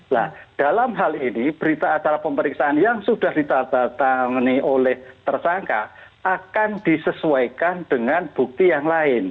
nah dalam hal ini berita acara pemeriksaan yang sudah ditatangani oleh tersangka akan disesuaikan dengan bukti yang lain